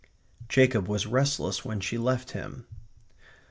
Jacob was restless when she left him.